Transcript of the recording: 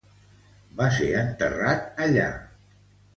Va ser enterrat allà.